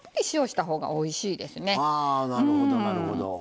あなるほどなるほど。